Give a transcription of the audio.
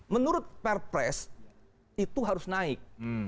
menurut perpres itu harus naik